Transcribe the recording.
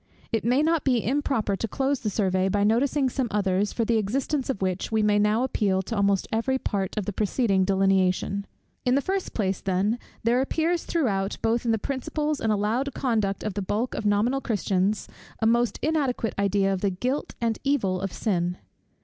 It may not be improper to close the survey by noticing some others, for the existence of which we may now appeal to almost every part of the preceding delineation. In the first place, then, there appears throughout, both in the principles and allowed conduct of the bulk of nominal Christians, a most inadequate idea of the guilt and evil of sin.